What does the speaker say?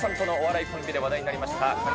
お父さんとのお笑いコンビで話題になりました